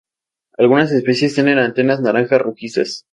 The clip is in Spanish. Algunas especies tienen antenas naranja rojizas.